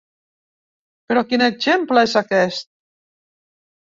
Però quin exemple és aquest?